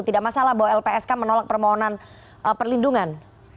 tidak masalah bahwa lpsk menolak permohonan perlindungan